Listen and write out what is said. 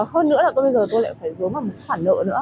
hơn nữa là bây giờ tôi lại phải vướng vào một khoản nợ nữa